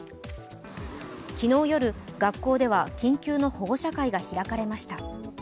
昨日夜、学校では緊急の保護者会が開かれました。